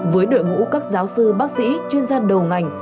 với đội ngũ các giáo sư bác sĩ chuyên gia đầu ngành